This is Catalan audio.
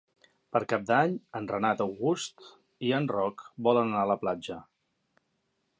Per Cap d'Any en Renat August i en Roc volen anar a la platja.